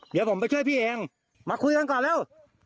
เดี๋ยวผมไปช่วยพี่เองมาคุยกันแล้ว